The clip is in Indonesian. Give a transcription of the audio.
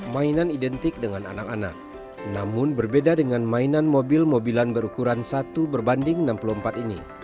mainan identik dengan anak anak namun berbeda dengan mainan mobil mobilan berukuran satu berbanding enam puluh empat ini